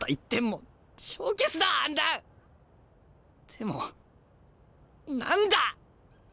でも何だ！？